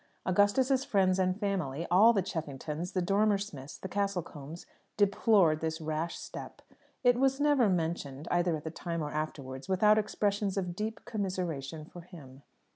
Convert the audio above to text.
Augustus's friends and family all the Cheffingtons, the Dormer Smiths, the Castlecombes deplored this rash step. It was never mentioned, either at the time or afterwards, without expressions of deep commiseration for him.